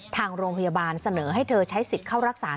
ทางโรงพยาบาลเสนอให้เธอใช้สิทธิ์เข้ารักษา